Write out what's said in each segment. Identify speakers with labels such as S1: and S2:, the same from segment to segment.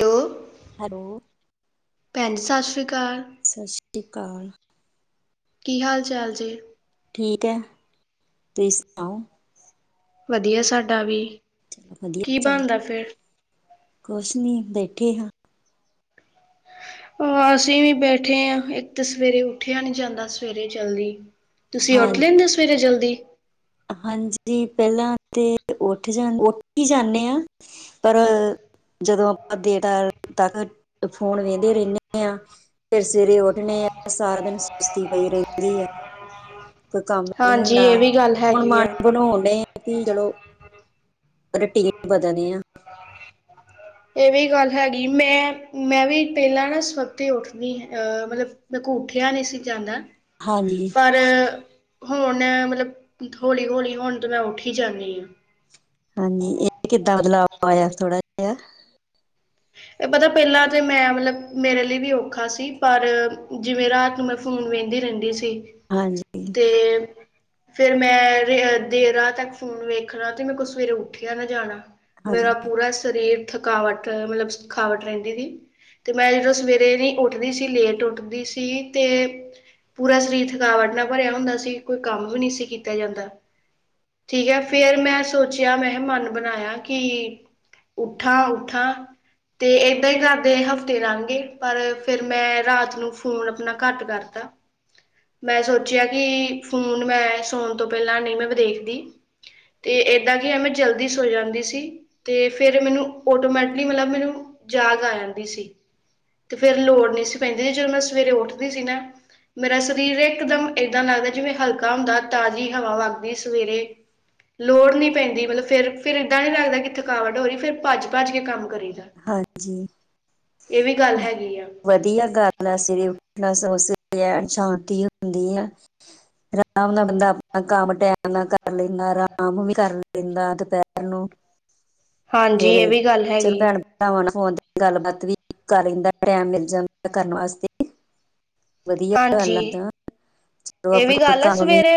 S1: Hello
S2: hello
S1: ਭੈਣ ਜੀ, ਸਤਿ ਸ਼੍ਰੀ ਅਕਾਲ।
S2: ਸਤਿ ਸ਼੍ਰੀ ਅਕਾਲ।
S1: ਕੀ, ਹਾਲ ਚਾਲ ਜੇ?
S2: ਠੀਕ ਹੈ, ਤੁਸੀ ਸੁਣਾਓ?
S1: ਵਧੀਆ ਸਾਡਾ ਵੀ,
S2: ਚਲੋ ਵਧੀਆ
S1: ਕੀ
S2: ਚਾਹੀਦਾ
S1: ਬਣਦਾ ਫਿਰ?
S2: ਕੁਛ ਨੀ, ਬੈਠੇ ਹਾਂ।
S1: ਆਂ, ਅਸੀਂ ਵੀ ਬੈਠੇ ਆਂ, ਇੱਕ ਤਾਂ ਸਵੇਰੇ ਉੱਠਿਆ ਨੀ ਜਾਂਦਾ, ਸਵੇਰੇ ਜਲਦੀ। ਤੁਸੀਂ,
S2: ਹਾਂ
S1: ਉੱਠ ਲੈਂਦੇ ਹੋ ਸਵੇਰੇ ਜਲਦੀ?
S2: ਹਾਂਜੀ, ਪਹਿਲਾਂ ਤੇ ਉੱਠ ਜਾਂਦੀ, ਉੱਠ ਹੀ ਜਾਂਦੇ ਆਂ। ਪਰ, ਜਦੋਂ ਆਪਾਂ ਦੇਰ ਤੱਕ, ਫੋਨ ਵੇਂਹਦੇ ਰਹਿੰਨੇ ਆਂ। ਫਿਰ ਸਵੇਰੇ ਉੱਠਣੇ ਆਂ, ਸਾਰਾ ਦਿਨ ਸੁਸਤੀ ਪਈ ਰਹਿੰਦੀ ਆ। ਕੋਈ, ਕੰਮ ਨੀ
S1: ਹਾਂਜੀ
S2: ਹੁੰਦਾ।
S1: ਇਹ ਵੀ ਗੱਲ ਹੈਗੀ ਆ
S2: ਬਣਾਉਂਦੇ ਆ ਰੂਟੀਨ, ਚਲੋ ਰੂਟੀਨ ਬਦਲਨੇ ਆਂ।
S1: [unintelligible] ਇਹ ਵੀ ਗੱਲ ਹੈਗੀ। ਮੈਂ, ਮੈਂ ਵੀ ਪੇਲਾਂ ਨਾ ਸਵਤੇ ਉੱਠਨੀ ਐ ਅ ਮਤਲਬ ਮੈਂ ਕੋ ਉੱਠਿਆ ਨੀ ਸੀ ਜਾਂਦਾ।
S2: ਹਾਂਜੀ।
S1: ਪਰ ਹੁਣ ਮਤਲਬ ਥੋੜੀ ਹੌਲੀ ਹੁਣ ਤਾਂ ਮੈਂ ਉੱਠ ਈ ਜਾਂਨੀ ਆਂ।
S2: ਹਾਂਜੀ ਇਹ ਕਿੱਦਾਂ ਬਦਲਾਅ ਆਇਆ ਥੋੜਾ ਜਿਹਾ।
S1: ਏ ਪਤਾ ਪੇਲਾਂ ਤੇ ਮੈਂ ਮਤਲਬ ਮੇਰੇ ਲਈ ਵੀ ਔਖਾ ਸੀ ਪਰ ਜਿਵੇਂ ਰਾਤ ਨੂੰ ਮੈਂ ਫੋਨ ਵੇਂਦੀ ਰੇਂਦੀ ਸੀ
S2: ਹਾਂਜੀ
S1: ਤੇ ਫੇਰ ਮੈਂ ਰੇ ਅ ਦੇਅ ਰਾਤ ਤੱਕ ਫੋਨ ਵੇਖਣਾ ਤੇ ਮੇ ਕੋ ਸਵੇਰੇ ਉੱਠਿਆ ਨਾ ਜਾਣਾ।
S2: ਹਾਂ
S1: ਮੇਰਾ ਪੂਰਾ ਸਰੀਰ ਥਕਾਵਟ ਮਤਲਬ ਥਕਾਵਟ ਰਹਿੰਦੀ ਸੀ ਤੇ ਮੈਂ ਜਦੋਂ ਸਵੇਰੇ ਵੀ ਉੱਠਦੀ ਸੀ ਲੇਟ ਉੱਠਦੀ ਸੀ ਤੇ ਪੂਰਾ ਸਰੀਰ ਥਕਾਵਟ ਨਾ ਭਰਿਆ ਹੁੰਦਾ ਸੀ ਕੋਈ ਕੰਮ ਵੀ ਨੀ ਸੀ ਕੀਤਾ ਜਾਂਦਾ। ਠੀਕ ਐ ਫੇਰ ਮੈਂ ਸੋਚਿਆ, ਮੈਂ ਕਿਹਾ ਮਨ ਬਣਾਇਆ ਕਿ ਉੱਠਾ, ਉੱਠਾ ਤੇ ਏਦਾਂ ਈ ਕਰਦੇ ਹਫ਼ਤੇ ਲੰਘ ਗੇ ਪਰ ਫਿਰ ਮੈਂ ਰਾਤ ਨੂੰ ਫੋਨ ਆਪਣਾ ਘੱਟ ਕਰ ਤਾ ਮੈਂ ਸੋਚਿਆ ਕਿ ਇੱਕ ਫੋਨ ਮੈਂ ਸੌਣ ਤੋਂ ਪੇਲਾਂ ਨਈ ਮੈਂ ਵ ਦੇਖਦੀ। ਤੇ ਇੱਦਾਂ ਕਿ ਐ ਮੈਂ ਜਲਦੀ ਸੋ ਜਾਂਦੀ ਸੀ ਤੇ ਫੇਰ ਮੈਨੂੰ ਆਟੋਮੈਟ ਨਈ ਮਤਲਬ ਮੈਨੂੰ ਜਾਗ ਆ ਜਾਂਦੀ ਸੀ ਤੇ ਫੇਰ ਲੋੜ ਨੀ ਸੀ ਪੈਂਦੀ ਸੀ ਜਦੋਂ ਮੈਂ ਸਵੇਰੇ ਉੱਠਦੀ ਸੀ ਨਾ ਮੇਰਾ ਸਰੀਰ ਇੱਕ ਦਮ ਏਦਾਂ ਲੱਗਦਾ ਜਿਵੇਂ ਹਲਕਾ ਹੁੰਦਾ ਤਾਜ਼ੀ ਹਵਾ ਵੱਗਦੀ ਸਵੇਰੇ ਲੋੜ ਨੀ ਪੈਂਦੀ ਮਤਲਬ ਫਿਰ, ਫਿਰ ਇੱਦਾਂ ਨੀ ਲੱਗਦਾ ਕਿ ਥਕਾਵਟ ਹੋ ਰਹੀ ਫਿਰ ਭੱਜ, ਭੱਜ ਕੇ ਕੰਮ ਕਰੀ ਦਾ,
S2: ਹਾਂਜੀ
S1: ਏ ਵੀ ਗੱਲ ਹੈਗੀ ਆ।
S2: ਬੰਦਾ ਸਵੇਰੇ ਉੱਠਦਾ ਸਗੋਂ ਸਵੇਰੇ ਐਨ ਸ਼ਾਂਤੀ ਹੁੰਦੀ ਆ। ਆਰਾਮ ਨਾਲ ਬੰਦਾ ਆਪਣਾ ਕੰਮ ਟੈਮ ਨਾਲ ਕਰ ਲੈਂਦਾ। ਕੰਮ ਵੀ ਕਰ ਲੈਂਦਾ ਦੁਪਹਿਰ ਨੂੰ,
S1: ਹਾਂਜੀ
S2: ਫੇਰ
S1: ਇਹ ਵੀ ਗੱਲ
S2: ਚਲ
S1: ਹੈਗੀ ਹੈ
S2: ਭੈਣ ਭਰਾਵਾਂ ਨੂੰ ਫੋਨ ਤੇ ਗੱਲਬਾਤ ਵੀ ਕਰ ਲੈਂਦਾ ਟੈਮ ਮਿਲ ਜਾਂਦਾ ਕਰਨ ਵਾਸਤੇ ਵਧੀਆ
S1: ਹਾਂਜੀ
S2: ਗੱਲੱ ਐ ਐਦਾਂ ਚਲੋ
S1: ਇਹ
S2: ਆਪਣੇ
S1: ਵੀ
S2: ਕੋਲ
S1: ਗੱਲ ਹੈ
S2: ਕੰਮ ਵੀ
S1: ਸਵੇਰੇ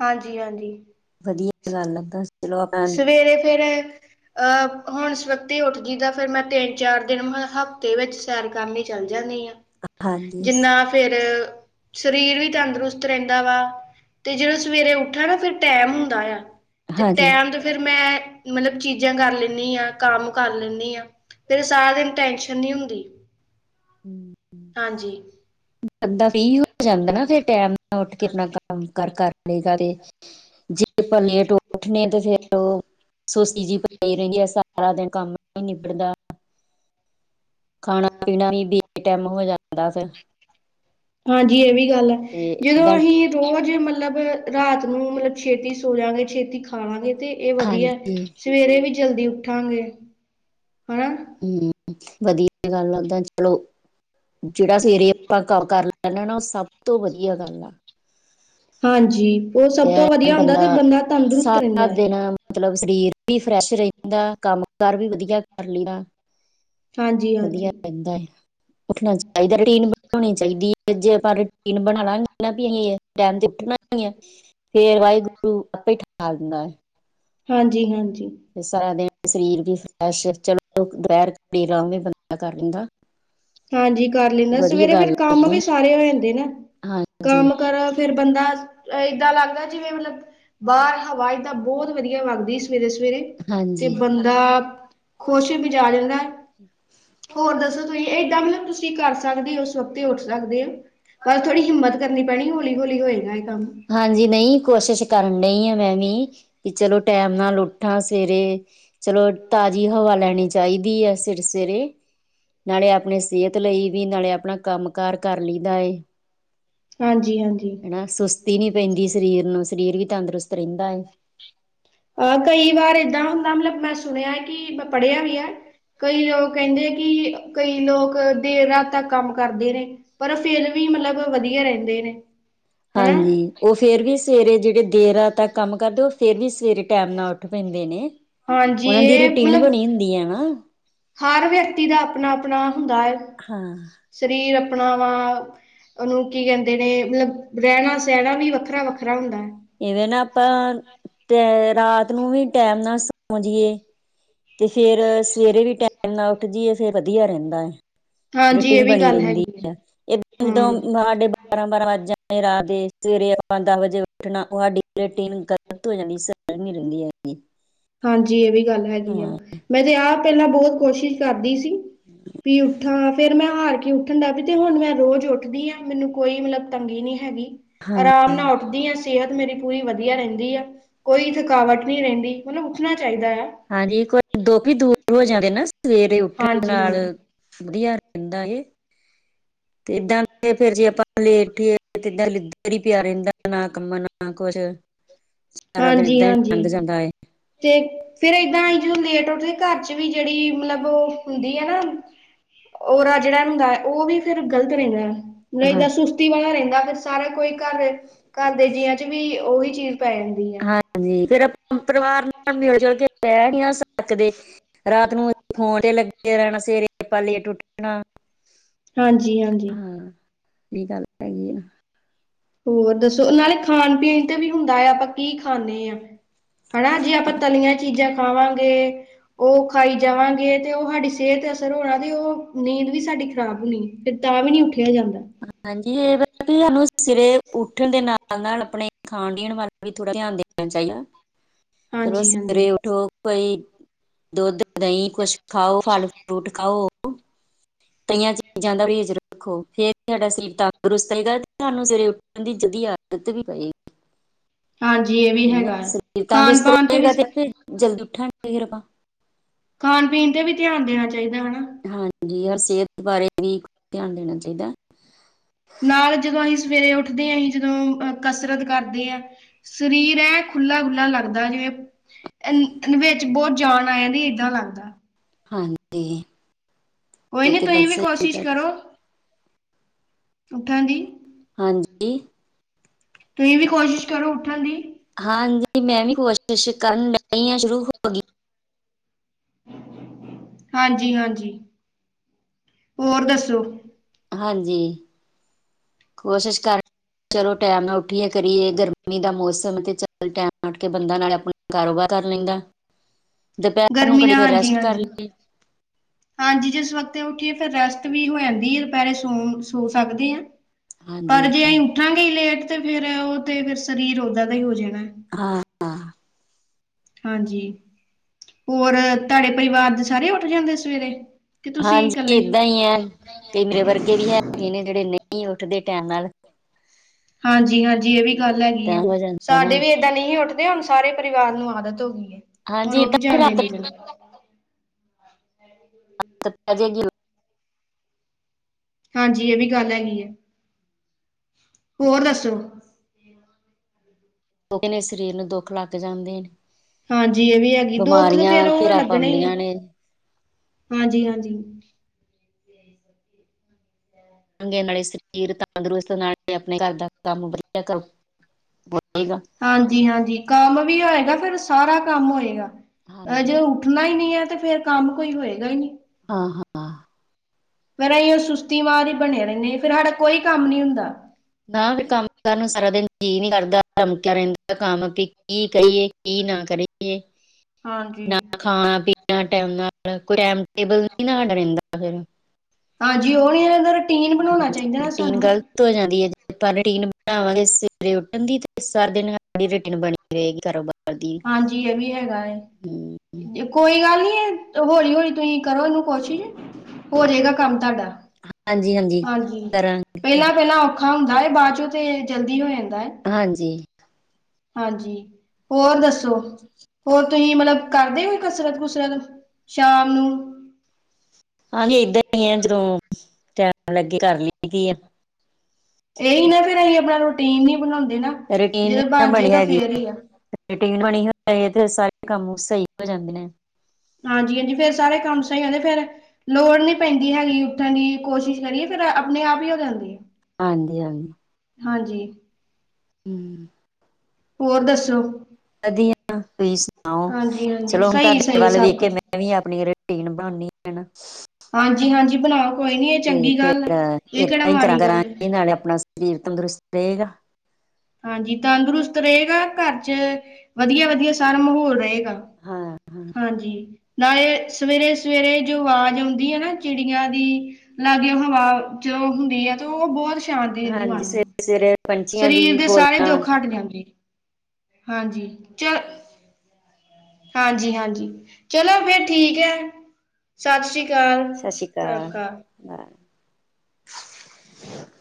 S1: ਹਾਂ ਜੀ, ਹਾਂ ਜੀ
S2: ਵਧੀਆ ਗੱਲ ਐ ਐਦਾਂ।
S1: ਸਵੇਰੇ ਫੇਰ ਅ ਹੁਣ ਸਵਤੇ ਈ ਉੱਠ ਜੀ ਦੈ ਫਿਰ ਮੈਂ ਤਿੰਨ-ਚਾਰ ਦਿਨ ਮ ਹਫ਼ਤੇ ਵਿੱਚ ਸੈਰ ਕਰਨ ਲਈ ਚੱਲ ਜਾਂਨੀ ਆਂ।
S2: ਹਾਂਜੀ
S1: ਜਿਨ ਨਾ ਫੇਰ ਸਰੀਰ ਵੀ ਤੰਦਰੁਸਤ ਰਹਿੰਦਾ ਵਾ ਤੇ ਜਦੋਂ ਸਵੇਰੇ ਉੱਠਾ ਨਾ ਫਿਰ ਟੈਮ ਹੁੰਦਾ ਐਆ।
S2: ਹਾਂਜੀ
S1: ਟੈਮ ਤੇ ਫੇਰ ਮੈਂ ਮਤਲਬ ਚੀਜ਼ਾਂ ਕਰ ਲੈਂਣੀ ਆਂ ਕੰਮ ਕਰ ਲੈਂਣੀ ਆਂ। ਫੇਰ ਸਾਰਾ ਦਿਨ ਟੈਂਸ਼ਨ ਨੀ ਹੁੰਦੀ।
S2: ਹੂੰ, ਹੂੰ।
S1: ਹਾਂਜੀ
S2: ਬਂਦਾ ਫਰੀ ਹੋ ਜਾਂਦਾ ਨਾ ਫਿਰ ਟੈਮ ਨਾਲ ਉੱਠ ਕੇ ਆਪਣਾ ਕੰਮ ਕਰ, ਕਰ ਲਈ ਦਾ ਤੇ ਪਰ ਲੇਟ ਉੱਠਣੇ ਤੇ ਫੇਰ ਔ ਸੁਸਤੀ ਜੀ ਪਈ ਰੇਂਦੀ ਏ ਸਾਨ ਸਾਰਾ ਦਿਨ ਕੰਮ ਨਈ ਨਿਬੜਦਾ। ਖਾਣਾ ਪੀਣਾ ਵੀ ਬੇ ਟਾਈਮ ਹੋ ਜਾਂਦਾ ਫੇਰ
S1: ਹਾਂ ਜੀ ਏ ਵੀ ਗੱਲ ਐ ਜਦੋਂ ਅਹੀ ਰੋਜ਼ ਮਤਲਬ ਰਾਤ ਨੂੰ ਮਤਲਬ ਛੇਤੀ ਸੋ ਜਾਗੇ ਛੇਤੀ ਖਾਵਾਂਗੇ ਤੇ ਏ ਵਧੀਐ
S2: ਹਾਂਜੀ
S1: ਸਵੇਰੇ ਵੀ ਜਲਦੀ ਉੱਠਾਂਗੇ, ਹਨਾ।
S2: ਹੂੰ, ਵਧੀਆ ਗੱਲ ਐ ਔਦਾਂ ਚਲੋ ਜੜਾ ਸਵੇਰੇ ਆਪਾਂ ਕਰ, ਕਰ ਲੈਂਨੇ ਆ ਨਾ ਔ ਸਭ ਤੋਂ ਵਧੀਆ ਗੱਲ ਆ।
S1: ਹਾਂਜੀ ਉਹ
S2: ਤੇ
S1: ਸਭ ਤੋਂ
S2: ਐਂ
S1: ਵਧੀਆ ਹੁੰਦਾ
S2: ਬੰਦਾ
S1: ਤੇ ਤੰਦਰੁਸਤ
S2: ਸਾਰਾ
S1: ਰਹਿੰਦਾ ਹੈ
S2: ਦਿਨ ਮਤਲਬ ਸਰੀਰ ਵੀ ਫਰੈਸ਼ ਰਇੰਦਾ ਕੰਮ ਕਾਰ ਵੀ ਵਧੀਆ ਕਰ ਲੈਂਆ
S1: ਹਾਂਜੀ
S2: ਵਧੀਆ
S1: ਹਾਂਜੀ
S2: ਰਇੰਦਾ ਏ। ਉੱਠਣਾ ਚਾਈਦਾ। ਰੂਟੀਨ ਬਣਾਉਣੀ ਚਾਈਦੀ ਐ ਜੇ ਆਪਾਂ ਰੂਟੀਨ ਬਣਾ ਲਾਂਗੇ ਨਾ ਵੀ ਅਸੀਂ ਟੈਮ ਤੇ ਉੱਠਣਾ ਈ ਐ ਫੇਰ ਵਾਹਿਗੁਰੂ ਆਪੇ ੳਠਾ ਦਿੰਦਾ ਏ।
S1: ਹਾਂਜੀ- ਹਾਂਜੀ।
S2: ਸਾਰਾ ਦਿਨ ਸਰੀਰ ਵੀ ਫਰੈਸ਼ ਚਲੋ ਦੁਪਹਿਰੀ ਅਰਾਮ ਵੀ ਬੰਦਾ ਕਰ ਲਿੰਦਾ।
S1: ਹਾਂਜੀ। ਕਰ ਲੈਂਦਾ। ਸਵੇਰੇ ਫਿਰ ਕੰਮ
S2: ਲੱਗਦਾ
S1: ਵੀ ਸਾਰੇ ਹੋ ਜਾਂਦੇ ਨਾ
S2: ਹਾਂਜੀ
S1: ਕੰਮ ਕਰ ਫਿਰ ਬੰਦਾ, ਇਏਦਾਂ ਲੱਗਦਾ ਜਿਵੇਂ ਮਤਲਬ ਬਾਹਰ ਹਵਾ ਤਾਂ ਬਹੁਤ ਵਧੀਆ ਵੱਗਦੀ ਸਵੇਰੇ, ਸਵੇਰੇ ਤੇ
S2: ਹਾਂਜੀ
S1: ਬੰਦ ਦਾ ਖੁਸ਼ ਮਿਜਾਜ ਰਹਿੰਦਾ। ਹੋਰ ਦੱਸੋ ਤੁਸੀਂ? ਏ ਕਮ ਨਾ ਤੁਸੀਂ ਕਰ ਸਕਦੇ ਹੋ। ਸਫ਼ਤੇ ਉੱਠ ਸਕਦੇ ਹੋ। ਬਸ ਥੋੜ੍ਹੀ ਹਿੰਮਤ ਕਰਨੀ ਪੈਣੀ ਹੌਲੀ- ਹੌਲੀ ਹੋਏਗਾ। ਇਹ ਕੰਮ
S2: ਹਾਂਜੀ। ਨਹੀਂ ਕੋਸ਼ਿਸ਼ ਕਰਨ ਡਈ ਹ। ਮੈਂ ਵੀ ਵੀ ਚਲੋ ਟੈਮ ਨਾਲ ਉੱ ਹਾਂ। ਸਵੇਰੇ ਚਲੋ ਤਾਜ਼ੀ ਹਵਾ ਲੈਣੀ ਚਾਹੀਦੀ ਹਾ। ਸਿਰ ਸਵੇਰੇ ਨਾਲੇ ਆਪਣੇ ਸਿਹਤ ਲਈ ਵੀ ਨਾਲੇ ਆਪਣਾ ਕੰਮ ਕਾਰ ਕਰ ਲੈਂਦਾ ਹੈ।
S1: ਹਾਂਜੀ- ਹਾਂਜੀ।
S2: ਹਨਾ ਸੁਸਤੀ ਨੀ ਪੈਂਦੀ ਸਰੀਰ ਨੂੰ। ਸਰੀਰ ਵੀ ਤੰਦਰੁਸਤ ਰਹਿੰਦਾ ਏ।
S1: ਅਹ ਕਈ ਵਾਰ ਏਦਾਂ ਹੁੰਦਾ ਮਤਲਬ ਮੈਂ ਸੁਣਿਆ ਕਿ, ਮੈਂ ਪੜ੍ਹਿਆ ਵੀ ਹੈ। ਕਈ ਲੋਕ ਕਹਿੰਦੇ ਕਿ ਕਈ ਲੋਕ ਦੇਰ ਰਾਤ ਤੱਕ ਕੰਮ ਕਰਦੇ ਨੇ। ਪਰ ਫ਼ਿਰ ਵੀ ਮਤਲਬ ਵਧੀਆ ਰਹਿੰਦੇ ਨੇ। ਹਨਾ
S2: ਹਾਂਜੀ। ਉਹ ਫੇਰ ਵੀ ਸਵੇਰੇ ਜਿਹੜੇ ਦੇਰ ਰਾ ਤੱਕ ਕੰਮ ਕਰਦੇ। ਉਹ ਫੇਰ ਵੀ ਸਵੇਰੇ ਟਾਈਮ ਨਾਲ ਉੱਠ ਪੈਂਦੇ ਨੇ
S1: ਹਾਂਜੀ
S2: ਉਹਨਾਂ ਦੀ
S1: ਇਹ
S2: ਰੂਟੀਨ
S1: ਮਤਲਬ
S2: ਬਣੀ ਹੁੰਦੀ ਹੈ ਨਾ।
S1: ਹਰ ਵਿਅਕਤੀ ਦਾ ਆਪਣਾ- ਆਪਣਾ ਹੁੰਦਾ ਹੈ
S2: ਹਾਂ।
S1: ਸਰੀਰ ਅਪਣਾਵਾਂ ਉਹਨੂੰ ਕੀ ਕਹਿੰਦੇ ਨੇ ਮਤਲਬ ਰਹਿਣਾ- ਸਹਿਣਾ ਵੀ ਵੱਖਰਾ- ਵੱਖਰਾ ਹੁੰਦਾ ਹੈ।
S2: ਵੇਨ ਆਪਾਂ, ਟ ਰਾਤ ਨੂੰ ਵੀ ਟੈਮ ਨਾਲ ਸਮਝੀਏ। ਤੇ ਫੇਰ ਸਵੇਰੇ ਵੀ ਟੈਮ ਨਾਲ ਉੱਠ ਜਾਈਏ ਫੇਰ ਵਧੀਆ ਰਹਿੰਦਾ ਹੈ।
S1: ਹਾਂਜੀ
S2: ਰੋਟਿੰਣ
S1: ਇਹ ਵੀ
S2: ਬਣੀ
S1: ਗੱਲ
S2: ਰਹਿੰਦੀ
S1: ਹੈਗੀ ਹੈ
S2: ਆ। ਇਦ ਜਦੋਂ
S1: ਹਮ
S2: ਸਾਡੇ ਬਾਰਾਂ- ਬਾਰਾਂ ਵੱਜਦੇ ਰਾਤ ਦੇ। ਸਵੇਰੇ ਦਸ ਵਜੇ ਉੈਠਣਾ। ਉਹਡੀ ਸੱਤੋਂ ਜਾਂਦੀ ਗਰਮੀ ਰਹਿੰਦੀ ਹੈ।
S1: ਹਾਂਜੀ। ਇਹ ਵੀ ਗੱਲ ਹੈਗੀ ਆ।
S2: ਹਾਂ
S1: ਮੈਂ ਤੇ ਆਪ ਪਹਿਲਾਂ ਬਹੁਤ ਕੋਸ਼ਿਸ਼ ਕਰਦੀ ਸੀ।
S2: ਹਮ।
S1: ਵੀ ਉੱਠਾਂ। ਫੇਿਰ ਮੈਂ ਹਾਰ ਕੇ ਉੱਠਣ ਦਾ ਵੀ ਤੇ ਹੁਣ ਮੈਂ ਰੋਜ਼ ਉੱਠਦੀ ਆ। ਮੈਨੂੰ ਕੋਈ ਮਤਲਬ ਤੰਗੀ ਨੀ ਹੈਗੀ।
S2: ਹਾਂ।
S1: ਆਰਾਮ ਨਾਲ ਉੱਠਦੀ ਆ। ਸਿਹਤ ਮੇਰੀ ਪੂਰੀ ਵਧੀਆ ਰਹਿੰਦੀ ਆ। ਕੋਈ ਥਕਾਵਟ ਨਹੀਂ ਰਹਿੰਦੀ। ਮਤਲਬ ਉੱਠਣਾ ਚਾਹੀਦਾ ਹੈ।
S2: ਹਾਂਜੀ। ਇੱਕ ਵਾਰ ਦੋਖ ਦੂਰ ਹੋ ਜਾਂਦੇ ਨਾ ਸਵੇਰੇ ਉੱਠਣ
S1: ਹਾਂਜੀ
S2: ਨਾਲ।
S1: ਹਾਂਜੀ
S2: ਵਧੀਆ ਰਹਿੰਦਾ ਏ। ਤੇ ਇਏਦਾਂ ਫੇਰ ਜੇ ਆਪਾਂ ਲੇਟੀਏ ਤੇ ਇਏਦਾਂ ਲਿੱਧ ਹੀ ਪਿਆ ਰਹਦਾ ਨਾ ਕੰਮ ਣ ਨਾ ਕੁਛ ਸਾਰਾ ਦਿਨ
S1: ਹਾਂਜੀ
S2: ਏਦਾਂ ਹੀ
S1: ਹਾਂਜੀ
S2: ਲੰਗ ਜਾਂਦਾ ਹੈ।
S1: ਤੇ ਫੇਿਰ ਏਦਾਂ ਆ ਜ ਲੇਟ ਉਠ ਘਰ ਚ' ਵੀ ਜਿਹੜੀ ਮਤਲਬ ਉਹ ਹੁੰਦੀ ਏ ਨਾ। ਉਹ ਜਿਹੜਾ ਹੁੰਦਾ ਉਹ ਵੀ ਫੇਰ ਗ਼ਲਤ ਰਹਿੰਦਾ। ਨਹੀਂ,
S2: ਹਾਂ
S1: ਇਦਾਂ ਸੁਸਤੀ ਵਾਲਾ ਰਹਿੰਦਾ ਫਿਰ ਸਾਰਾ ਕੋਈ ਘਰ ਘਰ ਦੇ ਜੀਆਂ ਚ' ਵੀ ਉਹੀ ਚੀਜ਼ ਪੈ ਜਾਂਦੀ। ਆ।
S2: ਹਾਂਜੀ। ਫਿਰ ਆਪਾਂ ਪਰਿਵਾਰ ਨਾਲ ਮਿਲ- ਜੁਲ ਕੇ ਬਹਿ ਨ ਆ ਸਕਦੇ। ਰਾਤ ਨੂੰ ਫੋਨ ਤੇ ਲੱਗੇ ਰਹਿਣਾ, ਸਵੇਰੇ ਲੇਟ ਉੱਠਣਾ।
S1: ਹਾਂਜੀ- ਹਾਂਜੀ।
S2: ਹਾਂ ਇਹ ਗੱਲ ਹੈਗੀ ਆ।
S1: ਹੋਰ ਦੱਸੋ ਨਾਲੇ ਖਾਣ- ਪੀਣ ਤੇ ਵੀ ਹੁੰਦਾ ਆ, ਆਪਾਂ ਕੀ ਖਾਂਦੇ ਹਾਂ। ਹਨਾ। ਜੇ ਆਪਾਂ ਤਲੀਆਂ ਚੀਜ਼ਾਂ ਖਾਵਾਂਗੇ ਉਹ ਖਾਈ ਜਾਵਾਂਗੇ ਤੇ ਉਹ ਸਾਡੀ ਸਿਹਤ ਤੇ ਅਸਰ ਹੋਣਾ। ਤੇ ਉਹ ਨੀਂਦ ਵੀ ਸਾਡੀ ਖ਼ਰਾਬ ਹੋਣੀ। ਫਿਰ ਤਾਂ ਵੀ ਨਹੀਂ ਉੱਠਿਆ ਜਾਂਦਾ।
S2: ਹਾਂਜੀ। ਇਹ ਕਿ ਸਾਨੂੰ ਸਵੇਰੇ ਉੱਠਣ ਦੇ ਨਾਲ- ਨਾਲ ਆਪਣੇ ਖਾਣ- ਪੀਣ ਵਾਲੇ ਵੀ ਥੋੜਾ ਧਿਆਨ ਦੇ ਦੇਣਾ ਚਾਹੀਦਾ। ਚਲੋ,
S1: ਹਾਂਜੀ ਹਾਂਜੀ
S2: ਸਵੇਰੇ ਉੱਠੋ ਕੋਈ ਦੁੱਧ ਦਹੀਂ ਕੁਛ ਖਾਓ ਫਲ ਫਰੂਟ ਖਾਓ। ਕਈਆਂ ਚੀਜ਼ਾਂ ਦਾ ਵੀ ਇਜ਼ਰ ਰੱਖੋ ਫੇਰ ਸਾਡਾ ਸਰ ਤੰਦਰੁਸਤ ਹੋਏਗਾ ਤੇ ਤੁਹਾਨੂੰ ਸਵੇਰੇ ਉੱਠਣ ਦੀ ਜਲਦੀ ਆਦਤ ਵੀ ਪਏਗੀ।
S1: ਹਾਂਜੀ ਇਹ ਵੀ ਹੈਗਾ
S2: ਸਰੀਰ
S1: ਖਾਣ
S2: ਤੰਦਰੁਸਤ
S1: ਪਾਣ ਵੀ
S2: ਰਹੇਗਾ ਤੇ ਫ ਜਲਦੀ ਉੱਠਣਗੇ ਫਿਰ ਆਪਾਂ
S1: ਖਾਣ ਪੀਣ ਤੇ ਵੀ ਧਿਆਨ ਦੇਣਾ ਚਾਹੀਦਾ ਹਨਾ।
S2: ਹਾਂਜੀ ਹਰ ਸਿਹਤ ਬਾਰੇ ਵੀ ਧਿਆਨ ਦੇਣਾ ਚਾਹੀਦਾ।
S1: ਨਾਲ ਜਦੋਂ ਅਸੀਂ ਸਵੇਰੇ ਉੱਠਦੇ ਹਾਂ ਅਸੀਂ ਜਦੋਂ ਅਹ ਕਸਰਤ ਕਰਦੇ ਹਾਂ ਸਰੀਰ ਖੁੱਲਾ ਖੁਲਾ ਲੱਗਦਾ ਜਿਵੇਂ ਅ ਵਿੱਚ ਬਹੁਤ ਜਾਨ ਆਇਆ ਨ ਦਾਂ ਲੱਗਦਾ।
S2: ਹਾਂਜੀ
S1: ਹੋਈ
S2: ਇਹ
S1: ਨਹੀਂ
S2: ਤੇ ਗੱਲ
S1: ਤੁਸੀਂ ਵੀ
S2: ਸਹੀ
S1: ਕੋਸ਼ਿਸ਼
S2: ਤਾਂ
S1: ਕਰੋ ਉੱਠਣ ਦੀ
S2: ਹਾਂਜੀ
S1: ਤੁਸੀਂ ਵੀ ਕੋਸ਼ਿਸ਼ ਕਰੋ ਉੱਠਣ ਦੀ
S2: ਹਾਂਜੀ ਮੈਂ ਵੀ ਕੋਸ਼ਿਸ਼ ਕਰਨ ਡਹੀ ਹਾਂ ਸ਼ੁਰੂ ਹੋ ਗਈ
S1: ਹਾਂਜੀ ਹਾਂਜੀ ਹੋਰ ਦੱਸੋ?
S2: ਹਾਂਜੀ ਕੋਸ਼ਿਸ਼ ਕਰ ਚਲੋ ਟਾਈਮ ਨਾਲ ਉੱਠੀਏ ਕਰੀਏ ਗਰਮੀ ਦਾ ਮੌਸਮ ਤੇ ਚੱਲ ਟਾਈਮ ਉੱਠ ਕੇ ਬੰਦਾਾਂ ਨਾਲ ਆਪਣੇ ਕਾਰੋਬਾਰ ਕਰ ਲੈਂਦਾ। ਦੁਪਹਿਰ ਨੂੰ
S1: ਗਰਮੀ
S2: ਘੜੀ
S1: ਨਾਲ
S2: ਫੇਰ
S1: ਹਾਂਜੀ
S2: ਰੈਸਟ ਕਰ
S1: ਹਾਂਜੀ।
S2: ਲਈ
S1: ਹਾਂਜੀ ਜਿਸ ਵਕਤ ਉੱਠੀਏ ਫਿਰ ਰੈਸਟ ਵੀ ਹੋ ਜਾਂਦੀ ਹੈ ਦੁਪਹਿਰੇ ਸੋ ਸੋ ਸਕਦੇ ਹਾਂ। ਪਰ
S2: ਹਾਂਜੀ
S1: ਜੇ ਅਸੀਂ ਉੱਠਾਂਗੇ ਹੀ ਲੇਟ ਤੇ ਫਿਰ ਉਹ ਤੇ ਫਿਰ ਸਰੀਰ ਓਦਾਂ ਦਾ ਹੀ ਹੋ ਜਾਣਾ।
S2: ਹਾਂ।
S1: ਹਾਂਜੀ ਹੋਰ ਤੁਹਾਡੇ ਪਰਿਵਾਰ ਦੇ ਸਾਰੇ ਉੱਠ ਜਾਂਦੇ ਸਵੇਰੇ। ਕਿ ਤੁਸੀਂ
S2: ਹਾਂਜੀ
S1: ਇਕੱਲੇ
S2: ਏਦਾਂ ਹੀ ਹੈ ਕਈ ਮੇਰੇ ਵਰਗੇ ਵੀ ਹੈਗੇ ਨੇ ਜਿਹੜੇ ਨਹੀਂ ਉੱਠਦੇ ਟਾਈਮ ਨਾਲ।
S1: ਹਾਂਜੀ ਹਾਂਜੀ ਇਹ ਵੀ
S2: ਤੇ
S1: ਗੱਲ ਹੈਗੀ
S2: ਤਾਂ
S1: ਆ
S2: ਹੋ ਜਾਂਦਾ ਨਾ
S1: ਸਾਡੇ ਵੀ ਏਦਾਂ ਨਹੀਂ ਉੱਠਦੇ ਹੁਣ ਸਾਰੇ ਪਰਿਵਾਰ ਨੂੰ ਆਦਤ ਹੋ ਗਈ ਹੁਣ
S2: ਹਾਂਜੀ
S1: ਉੱਠ
S2: ਏਦਾਂ ਫਿਰ
S1: ਜਾਂਦੇ।
S2: ਰਾਤ ਸੱਤ ਵੱਜੇ
S1: ਹਾਂਜੀ ਇਹ ਵੀ ਗੱਲ ਹੈਗੀ ਹੈ ਹੋਰ ਦੱਸੋ?
S2: ਲੋਕ ਦੇ ਸਰੀਰ ਨੂੰ ਦੁੱਖ ਲੱਗ ਜਾਂਦੇ ਨੇ
S1: ਹਾਂਜੀ ਇਹ ਵੀ ਹੈਗੀ ਦੁੱਖ ਤੇ
S2: ਬਿਮਾਰੀਆਂ
S1: ਫੇਰ ਉਹ
S2: ਘੇਰਾ
S1: ਲੱਗਣੇ ਹੀ
S2: ਪਾਉਂਦੀਆਂ
S1: ਆ
S2: ਨੇ
S1: ਹਾਂਜੀ ਹਾਂਜੀ।
S2: ੰ ਨਾਲ ਸਰੀਰ ਤੰਦਰੁਸਤ ਨਾਲ ਆਪਣੇ ਘਰ ਦਾ ਕੰਮ ਵਧੀਆ ਕਰ ਹੋੇਗਾ।
S1: ਹਾਂਜੀ ਹਾਂਜੀ ਕੰਮ ਵੀ ਹੋਏਗਾ ਫ਼ਿਰ ਸਾਰਾ ਕੰਮ ਹੋਏਗਾ ਅ
S2: ਹਾਂਜੀ
S1: ਜੋ। ਉੱਠਣਾ ਹੀ ਨਹੀਂ ਹੈ ਤੇ ਫੇਰ ਕੰਮ ਕੋਈ ਹੋਏਗਾ ਹੀ ਨਹੀਂ।
S2: ਹਾਂ ਹਾਂ
S1: ਫੇਰ ਅਸੀਂ ਉਹ ਸੁਸਤੀ ਮਾਰ ਹੀ ਬਣੇ ਰਹਿੰਦੇ ਫਿਰ ਸਾਡਾ ਕੋਈ ਕੰਮ ਨੀ ਹੁੰਦਾ।
S2: ਨਾ ਵੀ ਕੰਮ ਕਾਰ ਨੂੰ ਸਾਰਾ ਦਿਨ ਜੀਅ ਨਹੀਂ ਕਰਦਾ ਧਮਕਿਆ ਰਹਿੰਦਾ ਕੰਮ ਵੀ ਕੀ ਕਹੀਏ ਕੀ ਨਾ ਕਰੀਏ। ਨਾ
S1: ਹਾਂਜੀ
S2: ਖਾਣਾ ਪੀਣਾ ਟਮ ਨਾਲ ਕੋਈ ਟਮ ਟਬਲ ਨਡ ਰਹਿੰਦਾ ਫਿਰ।
S1: ਹਾਂਜੀ ਉਹ ਨੀ ਇਹ ਦਾ ਰੂਟੀਨ
S2: ਫਿਰ
S1: ਬਣਾਉਣਾ ਚਾਹੀਦਾ ਨਾ
S2: ਰੁਟੀਨ
S1: ਸਾਨੂੰ।
S2: ਗਲਤ ਹੋ ਜਾਂਦੀ ਹੈ ਜੇ ਆਪਾਂ ਰੂਟੀਨ ਬਣਾਵਾਂਗੇ ਸਵੇਰੇ ਉੱਠਣ ਦੀ ਤੇ ਸਾਰ ਦਿਨ ਸਾ ਰੂਟੀਨ ਬਣੀ ਰਹੇਗੀ ਕਾਰੋਬਾਰ ਦੀ
S1: ਹਾਂਜੀ ਇਹ ਵੀ ਹੈਗਾ ਹੈ।
S2: ਹਮ,
S1: ਕੋਈ ਗੱਲ ਨਹੀਂ ਹੈ ਹੌਲੀ ਹੌਲੀ ਤੁਸੀਂ ਕਰੋ ਇਹਨੂੰ ਕੋਸ਼ਿਸ਼। ਹੋ ਜਾਏਗਾ ਕੰਮ ਤੁਹਾਡਾ
S2: ਹਾਂਜੀ
S1: ਹਾਂਜੀ
S2: ਕਰਾਂਗੇ
S1: ਪਹਿਲਾਂ
S2: ਕਰ
S1: ਪਹਿਲਾਂ ਔਖਾ ਹੁੰਦਾ ਹੈ ਬਾਅਦ ਚੋਂ ਤੇ ਜਲਦੀ ਹੋ ਜਾਂਦਾ ਹੈ।
S2: ਹਾਂਜੀ।
S1: ਹਾਂਜੀ ਹੋਰ ਦੱਸੋ ਹੋਰ ਤੁਸੀਂ ਮਤਲਬ ਕਰਦੇ ਹੋ ਕਸਰਤ ਕੁਸਰਤ। ਸ਼ਾਮ ਨੂੰ
S2: ਹਾਂਜੀ ਏਦਾਂ ਹੀ ਆ ਜਦੋਂ ਟਾਈਮ ਲਾੱਗੇ ਕਰ ਲਈ ਦਾ ਆ।
S1: ਇਹੀ ਨਾ ਫਿਰ ਅਸੀਂ ਆਪਣਾ ਰੂਟੀਨ ਹੀ ਬਣਾਉਦੇ ਨਾ
S2: ਹੈ ਰੁਟੀਨ
S1: ਜਿਹਦਾ
S2: ਨਾ
S1: ਬਣ
S2: ਬਣੀ
S1: ਜਾੇਗਾ
S2: ਹੈਗੀ
S1: ਫੇਰ ਹੀ ਆ।
S2: ਰੁਟੀਨ ਬਣੀ ਹਵੇ ਤੇ ਸਾਰੇ ਕੰਮ ਸਹੀ ਹੋ ਜਾਂਦੇ ਨੇ।
S1: ਹਾਂਜੀ ਹਾਂਜੀ ਫੇਰ ਸਾਰੇ ਕੰਮ ਸਹੀ ਆਦੇ ਫਿਰ ਲੋੜ ਨਹੀਂ ਪੈਂਦੀ ਹੈਗੀ ਉੱਠਣ ਦੀ ਕੋਸ਼ਿਸ਼ ਕਰੀਏ ਫੇਿਰ ਆਪਣੇ ਆਪ ਹੀ ਹੋ ਜਾਂਦੀ ਹੈ।
S2: ਹਾਂਜੀ ਹਾਂਜੀ।
S1: ਹਾਂਜੀ।
S2: ਹਮ।
S1: ਹੋਰ ਦੱਸੋ
S2: ਵਧੀਆ ਤੁਸੀਂ ਸੁਣਾਓ
S1: ਹਾਂਜੀ ਹਾਂਜੀ
S2: ਚਲੋ ਹੁਣ
S1: ਸਹੀ
S2: ਤੁਹਾਡੇ
S1: ਸਹੀ
S2: ਵੱਲ
S1: ਸਭ
S2: ਵੇਖਕੇ
S1: ਕੁਛ
S2: ਮੈਂ ਵੀ ਆਪਣੀ ਰੂਟੀਨ ਬਣਾਉਦੀ ਹਨਾ।
S1: ਹਾਂਜੀ ਹਾਂਜੀ ਬਣਾਓ ਕੋਈ ਨੀ ਇਹ ਚੰਗੀ ਗੱਲ
S2: ਫੇਰ
S1: ਇਹ ਕਿਹੜਾ
S2: ਏਦਾਂ ਹੀ ਕਰਾਂ
S1: ਮਾੜੀ ਗੱਲ ਹੈ।
S2: ਕਰਾਂਗੇ ਨਾਲੇ ਆਪਣਾ ਸਰੀਰ ਤੰਦਰੁਸਤ ਰਹੇਗਾ।
S1: ਹਾਂਜੀ ਤੰਦਰੁਸਤ ਰਹੇਗਾ ਘਰ ਚ ਵਧੀਆ ਵਧੀਆ ਸਾਰਾ ਮਾਹੌਲ ਰਹੇਗਾ
S2: ਹਾਂ
S1: ਹਾਂਜੀ ਨਾਲੇ ਸਵੇਰੇ ਸਵੇਰੇ ਜੋ ਆਵਾਜ਼ ਆਉਂਦੀ ਹੈ ਨਾ ਚਿੜੀਆਂ ਦੀ ਲਾੱਗੇ ਹਵਾ ਜੋ ਹੁੰਦੀ ਹੈ ਤੇ ਉਹ ਬਹੁਤ ਸ਼ਾਂਤੀ ਦਿੰਦੀ ਮਨ
S2: ਹਾਂਜੀ ਸਵੇਰੇ
S1: ਨੂੰ
S2: ਸਵੇਰੇ ਪੰਛੀਆਂ
S1: ਸਰੀਰ
S2: ਦੀ
S1: ਸਾਰੇ
S2: ਬੋਲਣਾ
S1: ਦੁੱਖ ਹੱਟ ਜਾਂਦੇ ਹਾਂਜੀ ਚਲ ਹਾਂਜੀ ਹਾਂਜੀ ਚਲੋ ਫੇਿਰ ਠੀਕ ਹੈ। ਸਤਿ ਸ਼੍ਰੀ ਅਕਾਲ
S2: ਹ [unintelligible]